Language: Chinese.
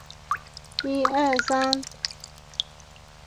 绿艾纳香为菊科艾纳香属的植物。